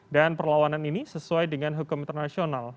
dan perlawanan ini sesuai dengan hukum internasional